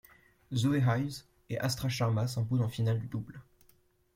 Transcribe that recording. Zoe Hives et Astra Sharma s'imposent en finale du double.